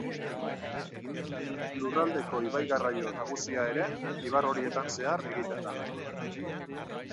Lurraldeko ibai-garraio nagusia ere ibar horietan zehar egiten da.